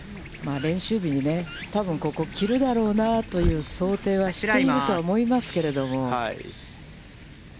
練習日に、ここを切るだろうなと想定はしていると思いますけれども。